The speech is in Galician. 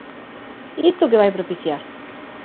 ¿E isto que vai propiciar?